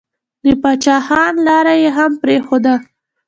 د پاچا خان لاره يې هم پرېښوده.